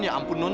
ya ampun non